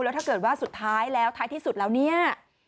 แล้วถ้าเกิดว่าสุดท้ายแล้วท้ายที่สุดแล้วเนี่ย